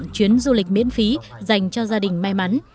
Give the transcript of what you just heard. chuyến du lịch miễn phí dành cho gia đình may mắn